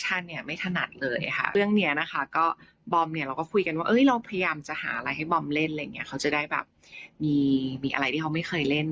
เนี่ยไม่ถนัดเลยค่ะเรื่องเนี้ยนะคะก็บอมเนี่ยเราก็คุยกันว่าเอ้ยเราพยายามจะหาอะไรให้บอมเล่นอะไรอย่างเงี้เขาจะได้แบบมีมีอะไรที่เขาไม่เคยเล่น